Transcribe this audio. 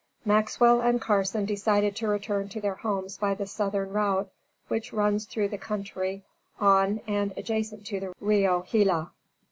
Maxwell and Carson decided to return to their homes by the southern route which runs through the country on and adjacent to the Rio Gila.